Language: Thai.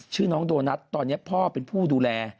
ชื่อน้องโดนัทตอนนี้พ่อเป็นผู้ดูแล